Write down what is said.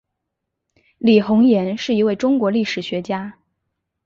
李洪岩是一位中国历史学家。